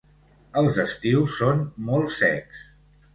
Els estius són molt secs.